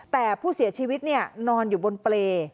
แต่ผู้เสียชีวิตนอนอยู่บนเปรย์